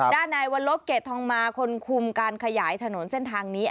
ด้านในวันลบเกรดทองมาคนคุมการขยายถนนเส้นทางนี้